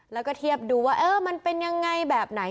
แล้วก็เทียบดูว่ามันเป็นยังไงแบบไหน